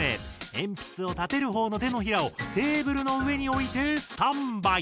鉛筆を立てる方の手のひらをテーブルの上に置いてスタンバイ。